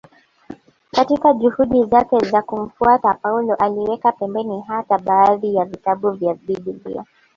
Katika juhudi zake za kumfuata Paulo aliweka pembeni hata baadhi ya vitabu vya Biblia